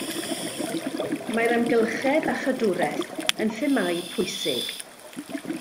Mae'r amgylchedd a chadwraeth yn themâu pwysig.